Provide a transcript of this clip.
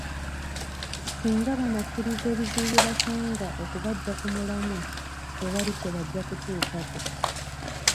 Singa bannakkiriza ebizibu bye basanga okubaggya ku mulamwa, tewali kye bajja kutuukako.